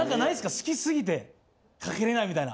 好きすぎてかけれないみたいな。